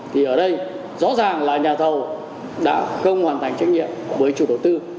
thì ở đây rõ ràng là nhà thầu đã không hoàn thành trách nhiệm với chủ đầu tư